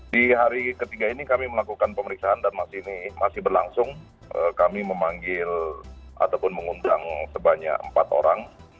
di hari ketiga ini kami melakukan pemeriksaan dan masih berlangsung kami memanggil ataupun mengundang sebanyak empat orang